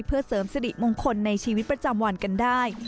เพื่อเสริมสิริมงคลในชีวิตประจำวันกันได้